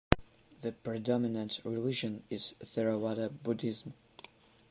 The predominant religion is Theravada Buddhism.